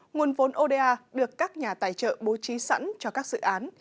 nguồn vốn oda được các nhà tài trợ bố trí sẵn cho các dự án